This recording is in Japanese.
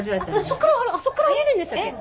あそこから下りるんでしたっけ？